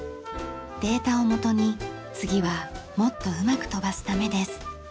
データをもとに次はもっとうまく飛ばすためです。